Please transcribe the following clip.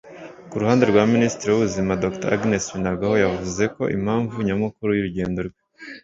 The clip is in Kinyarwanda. Ku ruhande rwa Minisitiri w’Ubuzima Dr Agnes Binagwaho yavuze ko impamvu nyamukuru y’urugendo rwe